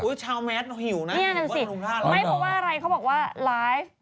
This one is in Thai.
นี่นั่นสิไม่เพราะว่าอะไรเขาบอกว่าไลฟ์